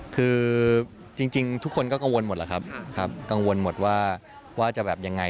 คือจริงทุกคนก็กังวลหมดแหละครับครับกังวลหมดว่าจะแบบยังไง